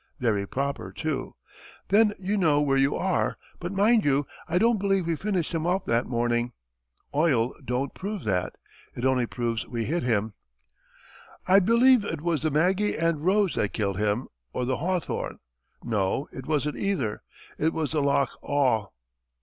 Very proper, too. Then you know where you are. But, mind you, I don't believe we finished him off that morning. Oil don't prove that. It only proves we hit him. I believe it was the 'Maggie and Rose' that killed him, or the 'Hawthorn.' No; it wasn't either. It was the 'Loch Awe.'"